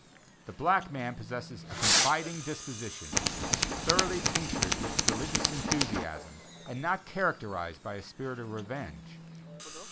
The black man possesses a confiding disposition, thoroughly tinctured with religious enthusiasm, and not characterized by a spirit of revenge.